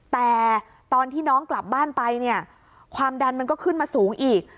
แต่ตอนที่น้องกลับบ้านไปเนี่ยความดันมันก็ขึ้นมาสูงอีก